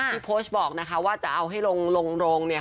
พี่โพชบอกว่าจะเอาให้ลง